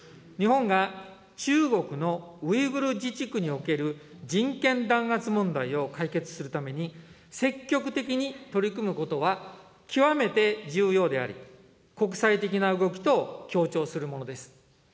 日本が中国のウイグル自治区における人権弾圧問題を解決するために、積極的に取り組むことは極めて重要であり、国際的な動きと協調するものです。